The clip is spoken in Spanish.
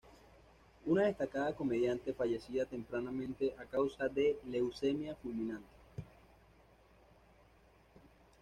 Una destacada comediante fallecida tempranamente a causa de leucemia fulminante.